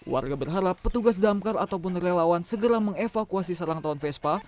warga berharap petugas damkar ataupun relawan segera mengevakuasi serang tahun vespa